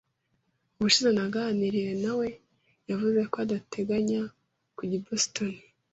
Ubushize naganiriye nawe, yavuze ko adateganya kujya i Boston.